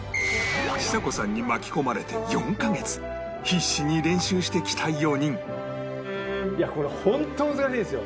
ちさ子さんに巻き込まれて４カ月必死に練習してきた４人